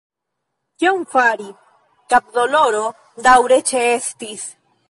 Kion fari – kapdoloro daŭre ĉeestis.